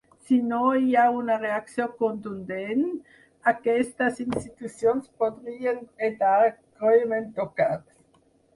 Si no hi ha una reacció contundent, aquestes institucions podrien quedar greument tocades.